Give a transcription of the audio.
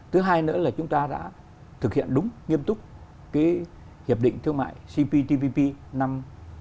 thứ hai nữa là chúng ta đã thực hiện đúng nghiêm túc cái hiệp định thương mại cptpp năm hai nghìn một mươi tám